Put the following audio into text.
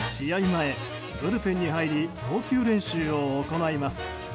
前ブルペンに入り投球練習を行います。